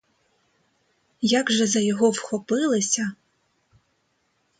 Як же за його вхопилися!